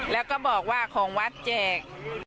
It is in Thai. แล้วก็บอกว่าของวัดแจก